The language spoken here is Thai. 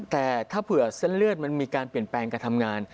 แต่ถ้าเผื่อเส้นเลือดมันมีการเปลี่ยนแปลงการทำงาน